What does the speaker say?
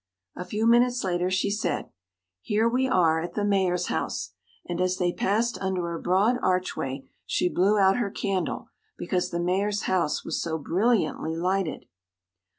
A few minutes later she said: "Here we are, at the Mayor's house," and as they passed under a broad archway she blew out her candle, because the Mayor's house was so brilliantly lighted.